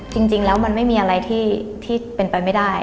จริงแล้วมันไม่มีอะไรที่เป็นไปไม่ได้